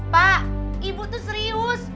pak ibu tuh serius